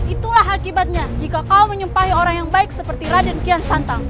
itulah akibatnya jika kau menyempai orang yang baik seperti raden kian santang